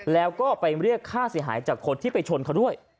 แล้วก็ไปเรียกค่าเสียหายจากคนที่ไปชนเขาด้วย